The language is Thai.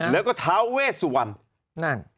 แล้วก็ทาเวสวัน